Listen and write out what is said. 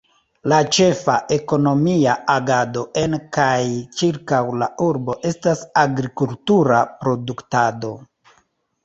La ĉefa ekonomia agado en kaj ĉirkaŭ la urbo estas agrikultura produktado.